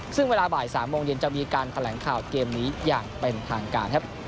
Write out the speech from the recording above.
ซึ่งเวลาบ่าย๓โมงเย็นจะมีการแถลงข่าวเกมนี้อย่างเป็นทางการครับ